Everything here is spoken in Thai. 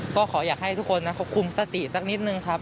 ก็ขอยากให้ทุกคนคลุมสติ